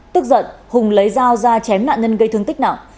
tức giận hùng lấy dao ra chém nạn nhân gây thương tích nặng